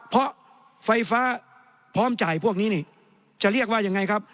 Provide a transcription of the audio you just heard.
เพราะไฟฟ้าพร้อมจ่ายพวกนี้นี่จะเรียกว่ายังไงครับ